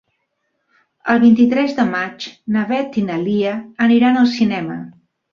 El vint-i-tres de maig na Beth i na Lia aniran al cinema.